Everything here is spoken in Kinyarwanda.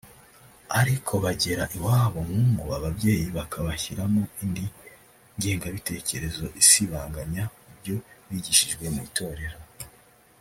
ariko bagera iwabo mu ngo ababyeyi bakabashyiramo indi ngengabitekerezo isibanganya ibyo bigishijwe mu Itorero